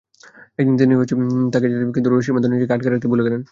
একদিন তিনি তাকে ছেড়ে ছিলেন কিন্তু রশির প্রান্ত নিজের কাছে আটকে রাখতে ভুলে গেলেন।